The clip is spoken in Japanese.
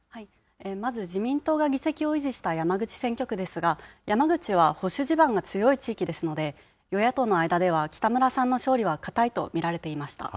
まず自民党が議席を維持した山口選挙区ですが、山口は保守地盤が強い地域ですので、与野党の間では、北村さんの勝利はかたいと見られていました。